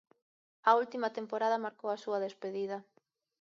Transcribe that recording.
A última temporada marcou a súa despedida.